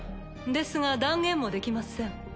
ですが断言もできません。